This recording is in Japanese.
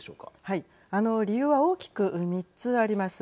理由は大きく３つあります。